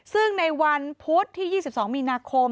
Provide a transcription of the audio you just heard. ซึ่งในวันพุธที่๒๒มีนาคม